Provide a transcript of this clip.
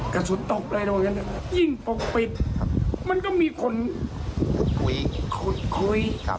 กระสุนตกอะไรตรงนั้นยิ่งปกปิดมันก็มีคนคุย